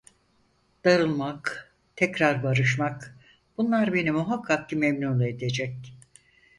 Darılmak, tekrar barışmak, bunlar beni muhakkak ki memnun edecek…